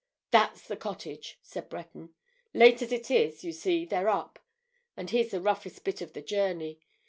"That's the cottage," said Breton, "Late as it is, you see, they're up. And here's the roughest bit of the journey.